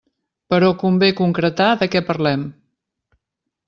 Però convé concretar de què parlem.